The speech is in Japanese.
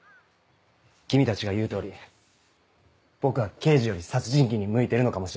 君たちが言う通り僕は刑事より殺人鬼に向いてるのかもしれない。